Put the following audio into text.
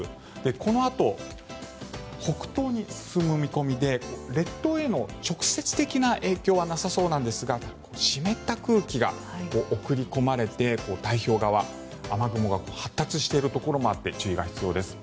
このあと北東に進む見込みで列島への直接的な影響はなさそうなんですが湿った空気が送り込まれて太平洋側、雨雲が発達しているところもあって注意が必要です。